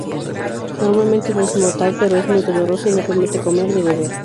Normalmente no es mortal, pero es muy doloroso, y no permite comer ni beber.